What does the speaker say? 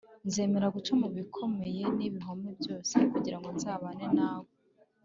nzemera guca mu bikomeye n’ibihome byose kugira ngo nzabane nawe